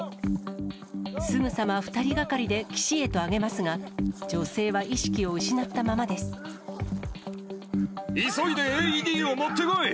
すぐさま２人がかりで岸へと上げますが、女性は意識を失ったまま急いでＡＥＤを持ってこい。